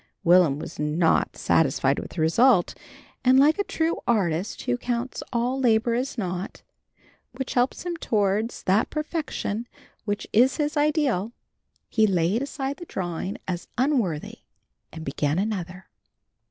Will'm was not satisfied with the result, and like a true artist who counts all labor as naught, which helps him towards that perfection which is his ideal, he laid aside the drawing as unworthy and began another.